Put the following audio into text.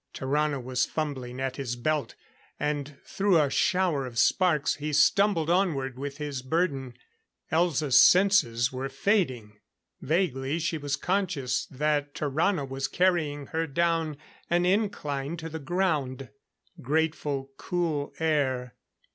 Tarrano was fumbling at his belt; and through a shower of sparks he stumbled onward with his burden. Elza's senses were fading. Vaguely she was conscious that Tarrano was carrying her down an incline to the ground. Grateful, cool air.